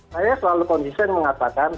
saya selalu konsisten mengatakan